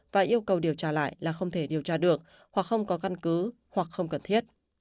và yêu cầu điều tra lại là không thể điều tra được hoặc không có căn cứ hoặc không cần thiết